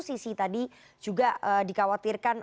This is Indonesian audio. sisi tadi juga dikhawatirkan